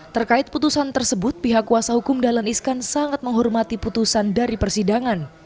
terkait putusan tersebut pihak kuasa hukum dahlan iskan sangat menghormati putusan dari persidangan